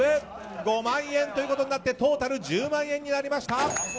５万円ということになってトータル１０万円になりました。